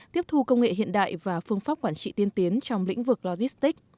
tiếp thu công nghệ hiện đại và phương pháp quản trị tiên tiến trong lĩnh vực logistics